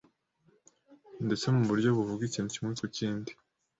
ndetse mu buryo buvuga ikintu kimwe ku kindi